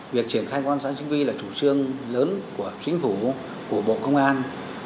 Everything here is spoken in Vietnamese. việc triển khai công an xã chính quy là chủ trương lớn của chính phủ của bộ công an